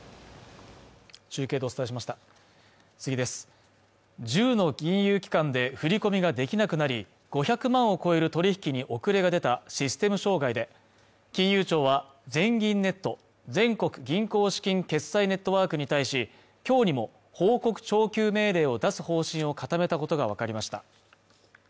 中継でお伝えしました１０の金融機関で振込ができなくなり５００万を超える取引に遅れが出たシステム障害で金融庁は全銀＝ネット全国銀行資金決済ネットワークに対しきょうにも報告徴求命令を出す方針を固めたことが分かりました